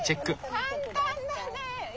簡単だね。